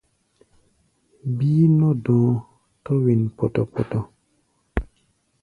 Bíí nɔ́ dɔ̧ɔ̧, tɔ̧́ wen pɔtɔ-pɔtɔ.